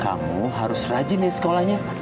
kamu harus rajin nih sekolahnya